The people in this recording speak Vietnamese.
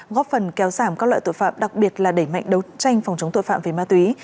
góp phần kéo giảm các loại tội phạm đặc biệt là đẩy mạnh đấu tranh phòng chống tội phạm về ma túy